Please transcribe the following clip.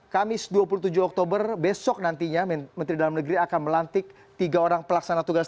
kamis dua puluh tujuh oktober besok nantinya menteri dalam negeri akan melantik tiga orang pelaksana tugas